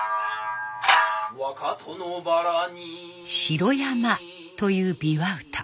「城山」という琵琶歌。